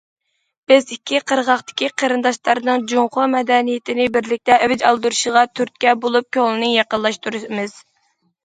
بىز ئىككى قىرغاقتىكى قېرىنداشلارنىڭ جۇڭخۇا مەدەنىيىتىنى بىرلىكتە ئەۋج ئالدۇرۇشىغا تۈرتكە بولۇپ، كۆڭلىنى يېقىنلاشتۇرىمىز.